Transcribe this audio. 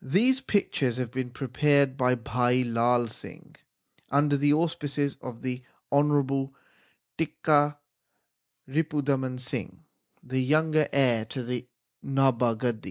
These pictures have been prepared by Bhai Lai Singh under the auspices of the Honourable Tikka Ripu daman Singh, the young heir to the Nabha gadi.